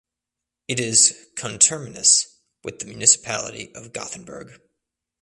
It is conterminous with the municipality of Gothenburg.